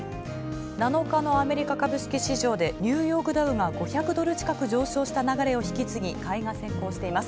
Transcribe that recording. ７日のアメリカ株式市場でニューヨークダウが５００ドル近く上昇した流れを引き継ぎ買いが先行しています。